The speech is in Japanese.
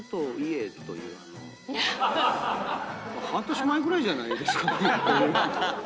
「半年前ぐらいじゃないですかね」という。